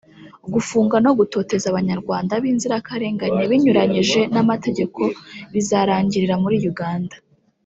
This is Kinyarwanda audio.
gufunga no gutoteza abanyarwanda b’inzirakarengane binyuranyije n’amategeko bizarangirira muri Uganda